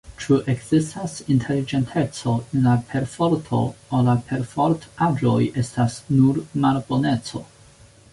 Ĉu ekzistas inteligenteco en la perforto, aŭ la perfort-agoj estas nur malboneco?